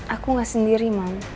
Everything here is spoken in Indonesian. aku gak sendiri mam